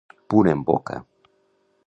Punt en boca.